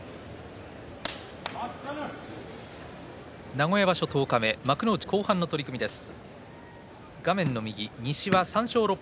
名古屋場所十日目幕内後半の取組です。